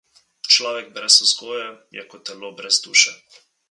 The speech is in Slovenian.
Človek brez vzgoje je kot telo brez duše.